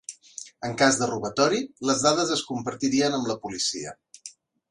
En cas de robatori, les dades es compartirien amb la policia.